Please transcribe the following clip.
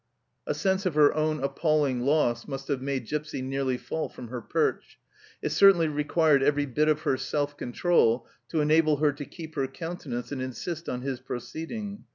' A sense of her own appalling loss must have made Gipsy nearly fall from her perch ; it certainly required every bit of her self control to enable her to keep her countenance and insist on his proceeding.